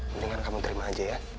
mendingan kamu terima aja ya